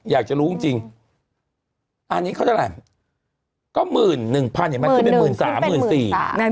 อยากจะรู้จริงอันนี้เขาเท่าไหร่ก็๑๑๐๐๐เนี่ยมันขึ้นเป็น๑๓๐๐๐๑๔๐๐๐